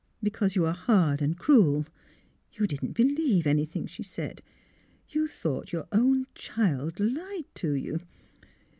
"" Because you are hard and cruel. You didn't believe anything she said. You thought your own child lied to you.